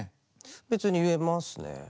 別に言えますね。